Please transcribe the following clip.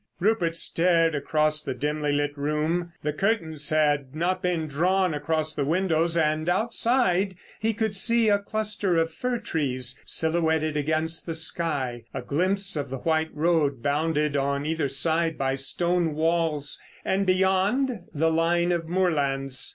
Rupert stared across the dimly lit room. The curtains had not been drawn across the windows, and outside he could see a cluster of fir trees silhouetted against the sky, a glimpse of the white road bounded on either side by stone walls, and, beyond, the line of moorlands.